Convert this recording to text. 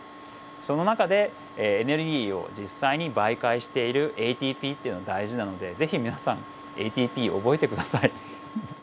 その中でエネルギーを実際に媒介しているＡＴＰっていうのが大事なので是非皆さんＡＴＰを覚えて下さい。